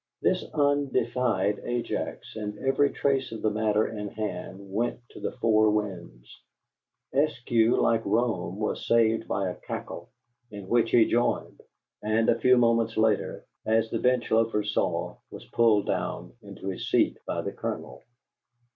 This outdefied Ajax, and every trace of the matter in hand went to the four winds. Eskew, like Rome, was saved by a cackle, in which he joined, and a few moments later, as the bench loafers saw, was pulled down into his seat by the Colonel.